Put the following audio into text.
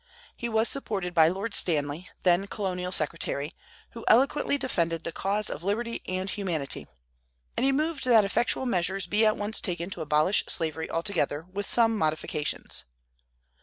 He was supported by Lord Stanley, then colonial secretary, who eloquently defended the cause of liberty and humanity; and he moved that effectual measures be at once taken to abolish slavery altogether, with some modifications.